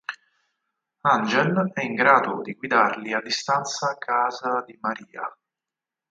Angel è in grado di guidarli a distanza casa di María.